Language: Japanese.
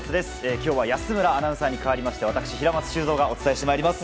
今日は安村アナウンサーに代わりまして私、平松修造がお伝えしてまいります。